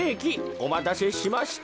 おまたせしました。